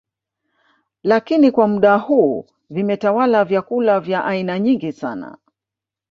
Lakini kwa muda huu vimetawala vyakula vya aina nyingi sana